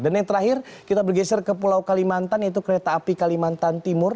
dan yang terakhir kita bergeser ke pulau kalimantan yaitu kereta api kalimantan timur